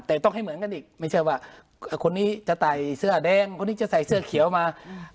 แต่ต้องให้เหมือนกันอีกไม่ใช่ว่าคนนี้จะใส่เสื้อแดงคนนี้จะใส่เสื้อเขียวมา